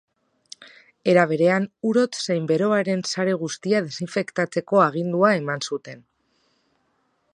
Era berean, ur hotz zein beroaren sare guztia desinfektatzeko agindua eman zuten.